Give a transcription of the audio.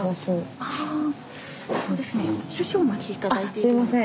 あすいません。